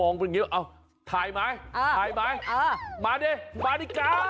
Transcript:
มองเป็นอย่างนี้ว่าถ่ายไม๊ถ่ายไม๊มาดิมาดิก๊า